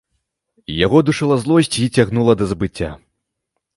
Яго душыла злосць і цягнула да забыцця.